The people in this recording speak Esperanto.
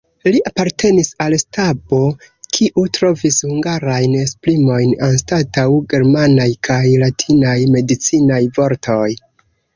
Li apartenis al stabo, kiu trovis hungarajn esprimojn anstataŭ germanaj kaj latinaj medicinaj vortoj.